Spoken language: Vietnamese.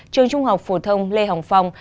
trường trung học phổ thông lê hồng phong